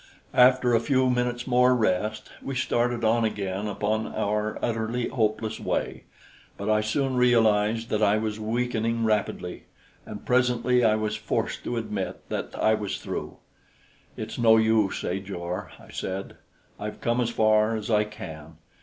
After a few minutes' more rest, we started on again upon our utterly hopeless way; but I soon realized that I was weakening rapidly, and presently I was forced to admit that I was through. "It's no use, Ajor," I said, "I've come as far as I can.